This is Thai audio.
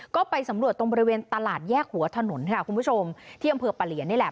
ก็ไปสำรวจตรงบริเวณตลาดแยกหัวถนนค่ะคุณผู้ชมที่อำเภอปะเหลียนนี่แหละ